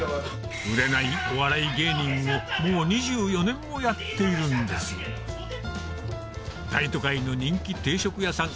売れないお笑い芸人をもう２４年もやっているんです大都会の人気定食屋さん